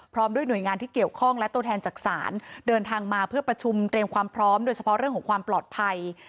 ด้วยหน่วยงานที่เกี่ยวข้องและตัวแทนจักษานเดินทางมาเพื่อประชุมเตรียมความพร้อมโดยเฉพาะเรื่องของความปลอดภัย